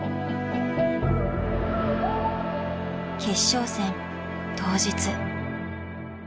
決勝戦当日。